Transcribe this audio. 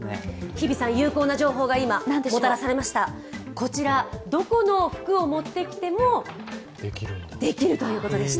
日比さん、有効な情報が今、もたらされましたこちら、どこの服を持ってきてもできるということでした。